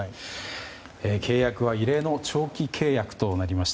契約は異例の長期契約となりました。